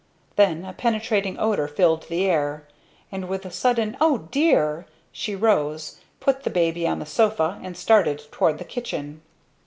Then a penetrating odor filled the air, and with a sudden "O dear!" she rose, put the baby on the sofa, and started toward the kitchen.